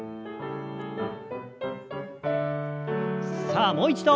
さあもう一度。